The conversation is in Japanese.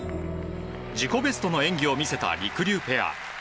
自己ベストの演技を見せたりくりゅうペア。